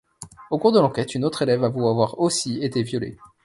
Au cours de l'enquête, une autre élève avoue avoir aussi été violée.